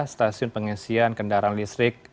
stasiun pengisian kendaraan listrik